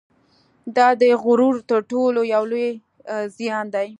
دا د غرور تر ټولو یو لوی زیان دی